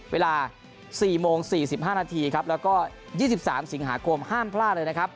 เวลา๔โมง๔๕นาทีครับแล้วก็๒๓สิงหาคมห้ามพลาดเลยนะครับ